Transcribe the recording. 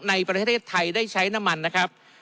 ในประเทศไทยได้ใช้น้ำมันนะครับ